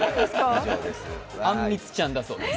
あんみつちゃんだそうです。